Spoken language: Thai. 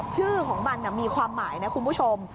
ชื่อของมันมีความหมายนะคุณผู้ชม